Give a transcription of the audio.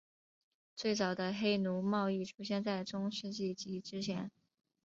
最早的黑奴贸易出现在中世纪及之前。